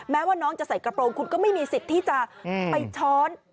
แม้ว่าน้องจะใส่กระโปรงคุณก็ไม่มีสิทธิ์ที่จะไปช้อน